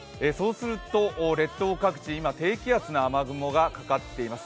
列島各地、今、低気圧の雨雲がかかっています。